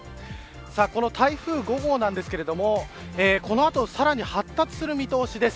この台風５号なんですけれどもこの後さらに発達する見通しです。